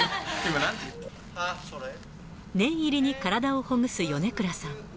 念入りに体をほぐす米倉さん。